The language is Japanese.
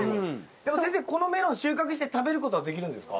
でも先生このメロン収穫して食べることはできるんですか？